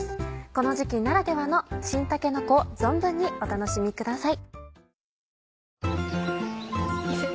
この時季ならではの新たけのこを存分にお楽しみください。